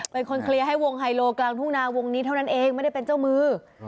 เป็นคนเคลียร์ให้วงไฮโลกลางทุ่งนาวงนี้เท่านั้นเองไม่ได้เป็นเจ้ามือ